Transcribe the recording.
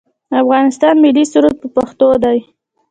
د افغانستان ملي سرود په پښتو دی